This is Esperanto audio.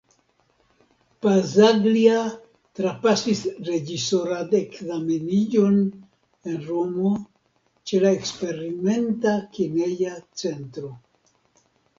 Pazzaglia trapasis reĝisoradekzameniĝon en Romo ĉe la Eksperimenta kineja centro.